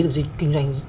được kinh doanh